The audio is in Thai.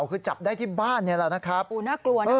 คือจับได้ที่บ้านเนี่ยแหละนะครับ